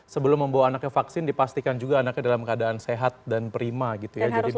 sebelum membawa anaknya vaksin dipastikan juga anaknya dalam keadaan sehat dan prima gitu ya